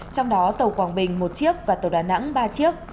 trong đó tàu quảng bình một chiếc và tàu đà nẵng ba chiếc